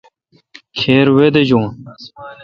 کھیرے وے دیجون۔